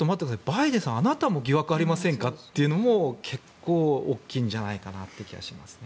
バイデンさん、あなたも疑惑ありませんか？というのも結構、大きいんじゃないかなという気はしますね。